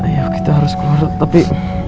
ya kita harus keluar tapi